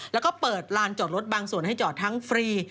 แล้วก็เปิดลานจอดรถบางส่วนให้จอดทั้งฟรี